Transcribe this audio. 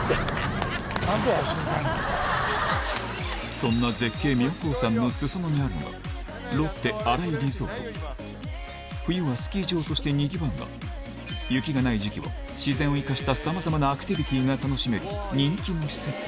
そんな絶景妙高山の裾野にあるのは冬はスキー場としてにぎわうが雪がない時期は自然を生かしたさまざまなアクティビティが楽しめる人気の施設